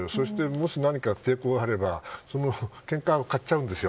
もし何か抵抗があればけんかを買っちゃうんです。